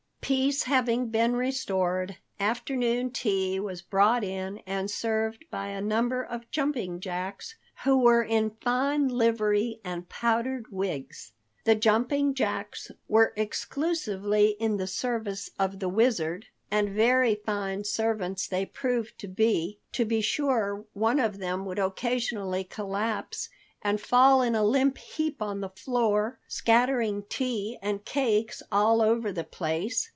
Peace having been restored, afternoon tea was brought in and served by a number of jumping jacks, who were in fine livery and powdered wigs. The jumping jacks were exclusively in the service of the Wizard and very fine servants they proved to be. To be sure, one of them would occasionally collapse and fall in a limp heap on the floor, scattering tea and cakes all over the place.